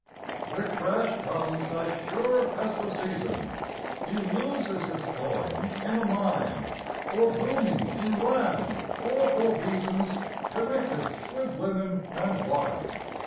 The crash comes as sure as the seasons; He loses his coin in a mine, Or booming in land, or for reasons Connected with women and wine.